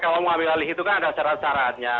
kalau mau ambil alih itu kan ada syarat syaratnya